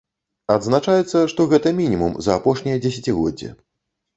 Адзначаецца, што гэта мінімум за апошняе дзесяцігоддзе.